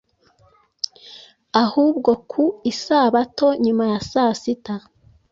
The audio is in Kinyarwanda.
ahubwo ku Isabato nyuma ya saa sita,